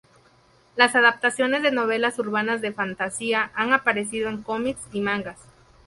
Las adaptaciones de novelas urbanas de fantasía han aparecido en cómics y mangas.